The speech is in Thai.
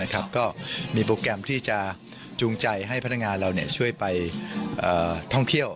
ก็มีโปรแกรมที่จะจูงใจให้พนักงานเราช่วยไปท่องเที่ยว